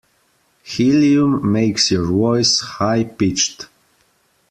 Helium makes your voice high pitched.